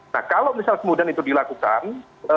nah kalau misal kemudian itu dilakukan